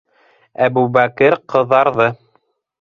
- Әбүбәкер ҡыҙарҙы.